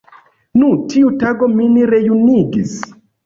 Nu, tiu tago min rejunigis.